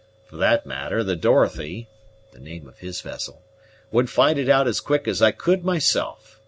For that matter, the Dorothy" (the name of his vessel) "would find it out as quick as I could myself.